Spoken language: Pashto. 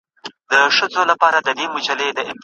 ستا د کتاب د ښوونځیو وطن